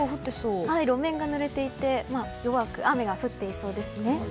路面がぬれていて弱く雨が降っていそうですね。